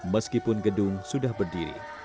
meskipun gedung sudah berdiri